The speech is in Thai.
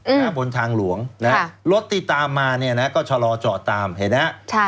อืมค่ะบนทางหลวงรถติดตามมาเนี่ยนะก็ชะลอจอดตามเห็นไหม